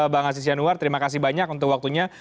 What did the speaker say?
bang aziz yanuar terima kasih banyak untuk waktunya